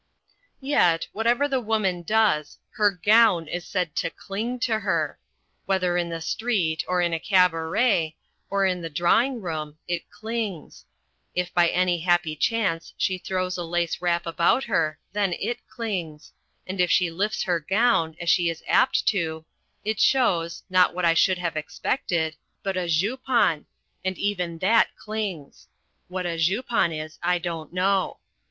Yet, whatever The Woman does, her "gown" is said to "cling" to her. Whether in the street or in a cabaret or in the drawing room, it "clings." If by any happy chance she throws a lace wrap about her, then it clings; and if she lifts her gown as she is apt to it shows, not what I should have expected, but a jupon, and even that clings. What a jupon is I don't know.